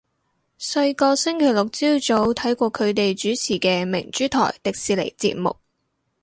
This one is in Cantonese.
細個星期六朝早睇過佢哋主持嘅明珠台迪士尼節目